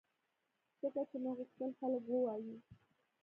ځکه چې مې غوښتل خلک ووایي